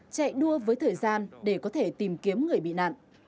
chạy đua với thời gian để có thể tìm kiếm người bị nạn